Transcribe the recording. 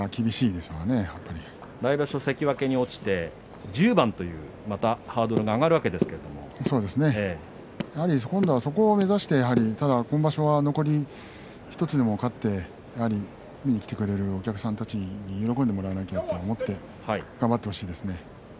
来場所関脇に落ちて１０番というまたハードルが今度はそこを目指してただ今場所は残り１つでも勝って見に来てくれるお客さんたちに喜んでもらわなければと思って頑張ってほしいですね。